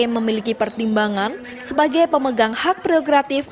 bagi pertimbangan sebagai pemegang hak progratif